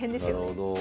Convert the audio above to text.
なるほど。